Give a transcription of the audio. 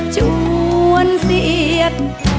ชวนเสียด